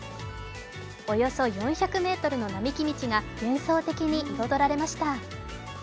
およそ４００ｍの並木道が幻想的に彩られました。